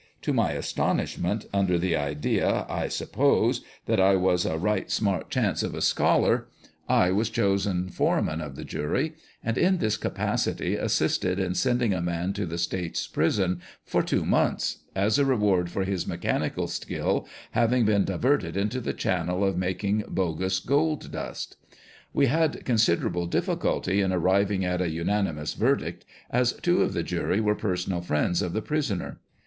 To my astonishment, under the idea, . I suppose, that I was " a right smart chance 432 ALL THE YEAR ROUND. [October 10, 18G8.] of a scholar," I was chosen foreman of the jury, and in this capacity assisted in sending a man to the States prison for two months, as a reward for his mechanical skill having been diverted into the channel of making bogus gold dust. "We had considerable difficulty in arriving at a unanimous verdict, as two of the jury were personal friends of the prisoner.